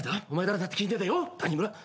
お前誰だって聞いてんだよ。